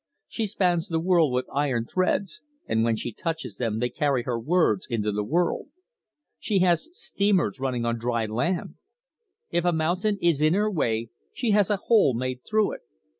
She spans the world with iron threads, and when she touches them they carry her words into the world. She has steamers running on dry land. If a mountain is in her way she has a hole made through it.